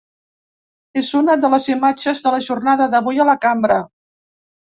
És una de les imatges de la jornada d’avui a la cambra.